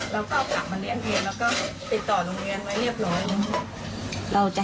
แล้วตอนนี้ศาลให้ประกันตัวออกมาแล้ว